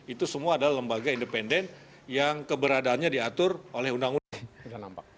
itu semua adalah lembaga independen yang keberadaannya diatur oleh undang undang